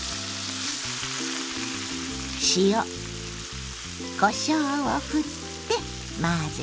塩こしょうをふって混ぜて。